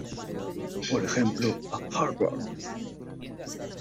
por ejemplo, a Harvard.